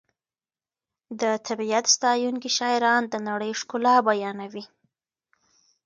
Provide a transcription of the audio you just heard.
د طبیعت ستایونکي شاعران د نړۍ ښکلا بیانوي.